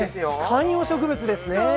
観葉植物ですね。